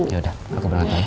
yaudah aku berantem ya